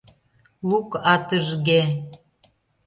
Лук атыжге.